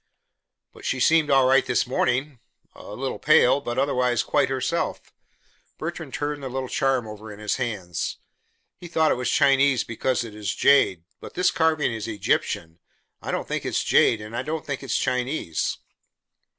"But she seemed all right this morning, a little pale, but otherwise quite herself." Bertrand turned the little charm over in his hand. "He thought it was Chinese because it is jade, but this carving is Egyptian. I don't think it is jade, and I don't think it is Chinese."